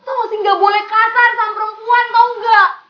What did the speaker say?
lo masih gak boleh kasar sama perempuan tau gak